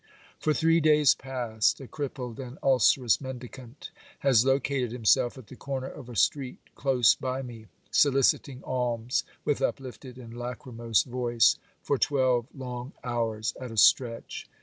For three days past a crippled and ulcerous mendicant has located himself at the corner of a street close by me, soliciting alms, with uplifted and lachrymose voice, for twelve long hours at a stretch.